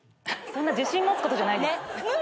そんな自信持つことじゃないです。